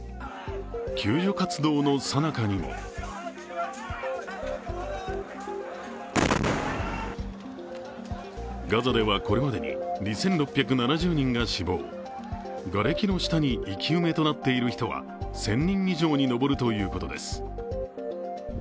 救助活動のさなかにもガザでは、これまでに２６７０人が死亡、がれきの下に生き埋めとなっている人は１０００人以上に上るということです。